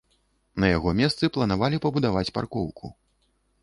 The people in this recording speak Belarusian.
На яго месцы планавалі пабудаваць паркоўку.